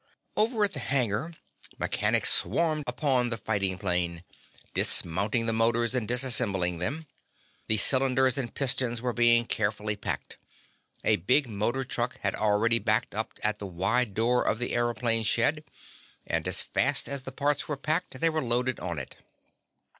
Over at the hangar, mechanics swarmed upon the fighting plane, dismounting the motors and disassembling them. The cylinders and pistons were being carefully packed. A big motor truck had already backed up at the wide door of the aëroplane shed, and as fast as the parts were packed they were loaded on it.